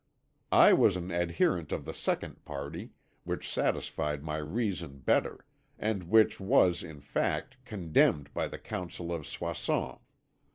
I was an adherent of the second party, which satisfied my reason better, and which was, in fact, condemned by the Council of Soissons.